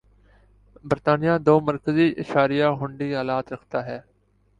برطانیہ دو مرکزی اشاریہ ہُنڈی آلات رکھتا ہے